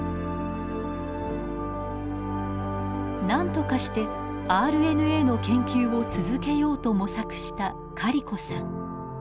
何とかしてＲＮＡの研究を続けようと模索したカリコさん。